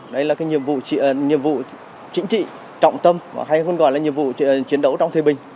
đây là cái nhiệm vụ chính trị trọng tâm hay còn gọi là nhiệm vụ chiến đấu trong thời bình